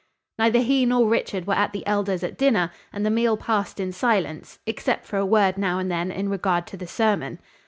Neither he nor Richard were at the Elder's at dinner, and the meal passed in silence, except for a word now and then in regard to the sermon.